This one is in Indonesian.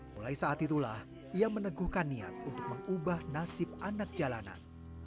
mulai saat itulah ia meneguhkan niat untuk mengubah nasib anak jalanan